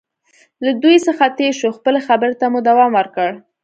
له دوی څخه تېر شو، خپلې خبرې ته مو دوام ورکړ.